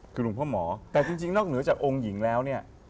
คือหลวงพ่อหมอแต่จริงนอกเหนือจากองค์หญิงแล้วเนี่ย